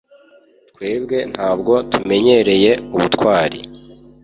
Twebwe ntabwo tumenyereye ubutwari